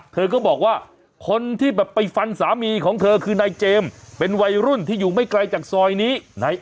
เธอก็บอกว่าคนที่แบบไปฟันสามีของเธอคือนายเจมส์เป็นวัยรุ่นที่อยู่ไม่ไกลจากซอยนี้